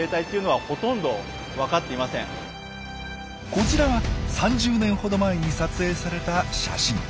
こちらは３０年ほど前に撮影された写真。